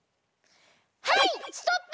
はいストップ！